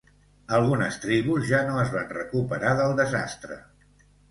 Algunes tribus ja no es van recuperar del desastre.